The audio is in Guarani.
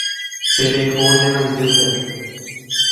Tereho ñanandýpe.